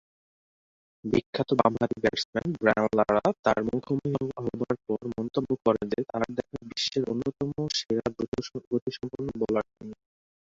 বিখ্যাত বামহাতি batsman Brian Lara তার মুখোমুখি হবার পর মন্তব্য করেন যে, তার দেখা বিশ্বের অন্যতম সেরা দ্রুতগতিসম্পন্ন বোলার তিনি।